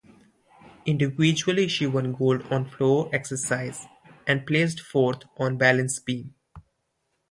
Individually she won gold on floor exercise and placed fourth on balance beam.